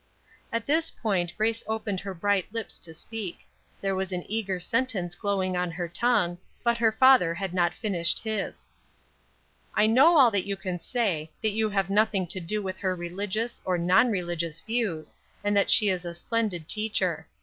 At this point Grace opened her bright lips to speak; there was an eager sentence glowing on her tongue, but her father had not finished his: "I know all that you can say; that you have nothing to do with her religious, or non religious, views, and that she is a splendid teacher.